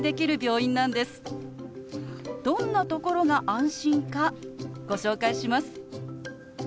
どんなところが安心かご紹介します。